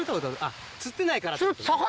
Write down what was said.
あっ釣ってないからってことね。